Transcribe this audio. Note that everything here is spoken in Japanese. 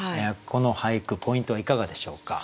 この俳句ポイントはいかがでしょうか。